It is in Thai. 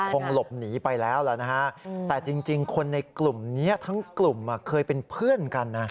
คงหลบหนีไปแล้วนะฮะแต่จริงคนในกลุ่มนี้เคยเป็นเพื่อนกันนะ